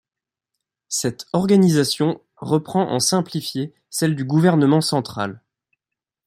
Cette organisation reprend en simplifié celle du gouvernement central.